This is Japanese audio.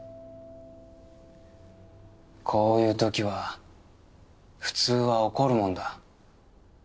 こういうときは普通は怒るもんだ。